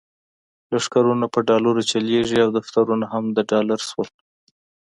لښکرونه په ډالرو چلیږي او دفترونه هم د ډالر شول.